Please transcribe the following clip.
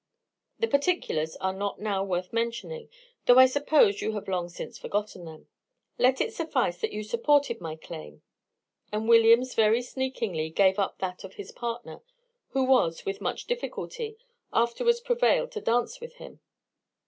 The particulars are not now worth mentioning, though I suppose you have long since forgot them. Let it suffice that you supported my claim, and Williams very sneakingly gave up that of his partner, who was, with much difficulty, afterwards prevailed to dance with him.